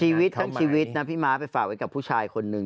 ชีวิตทั้งชีวิตนะพี่ม้าไปฝากไว้กับผู้ชายคนหนึ่ง